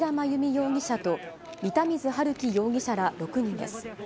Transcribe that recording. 容疑者と仁田水晴輝容疑者ら６人です。